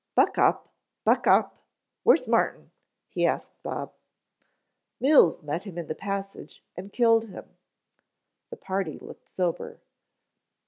"Buck up, buck up. Where's Martin?" he asked Bob. "Mills met him in the passage and killed him." The party looked sober.